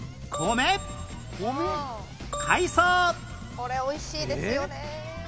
これ美味しいですよね。